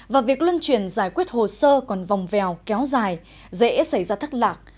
và việc luân chuyển giải quyết hồ sơ còn vòng vèo kéo dài dễ xảy ra thất lạc